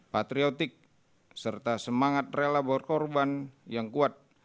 patriotik serta semangat rela bawa korban yang kuat